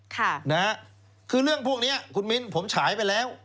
ค่ะนะฮะคือเรื่องพวกเนี้ยคุณมิ้นผมฉายไปแล้ว